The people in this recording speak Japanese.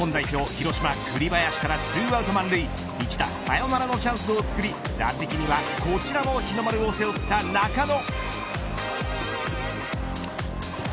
広島、栗林から、２アウト満塁一打サヨナラのチャンスを作り打席にはこちらも日の丸を背負った中野。